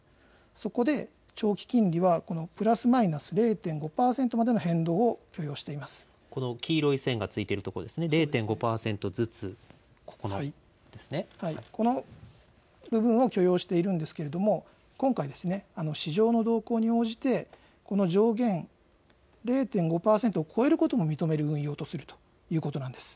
そこで長期金利はこのプラスマイナス０．５％までの変動を許容しこの黄色い線がついてるとここの部分を許容しているんですけれども、今回、市場の動向に応じて、この上限０．５％を超えることも認める運用とするということなんです。